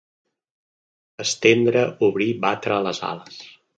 Estendre, obrir, batre, les ales.